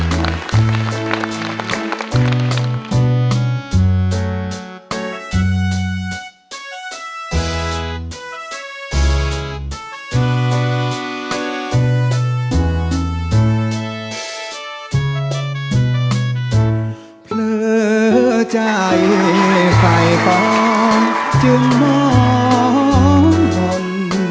เพลิงใจไห้ฟ้าจึงม้องห่อน